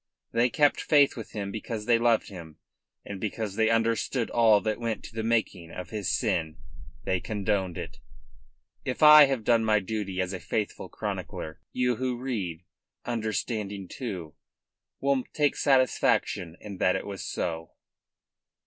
They kept faith with him because they loved him; and because they had understood all that went to the making of his sin, they condoned it. If I have done my duty as a faithful chronicler, you who read, understanding too, will take satisfaction in that it was so.